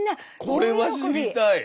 これは知りたい！